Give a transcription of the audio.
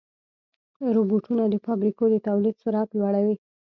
روبوټونه د فابریکو د تولید سرعت لوړوي.